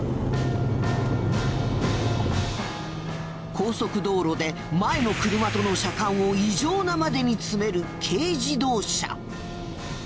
高速道路で前の車との車間を異常なまでに詰める軽自動車。